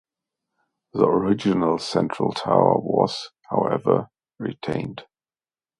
The original central tower was, however, retained.